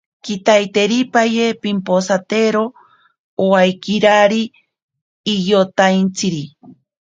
Kitaiterikipaye pimposaktero owakirari iyotaitsiri.